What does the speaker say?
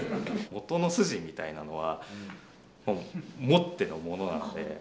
音の筋みたいなのは持ってのものなので。